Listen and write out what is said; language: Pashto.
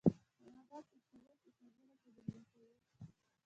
حیوانات مختلف موسمونه تجربه کوي.